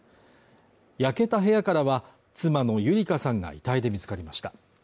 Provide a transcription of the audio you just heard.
焼けた部屋からは、妻の優理香さんが遺体で見つかりました。